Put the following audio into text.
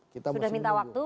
sudah minta waktu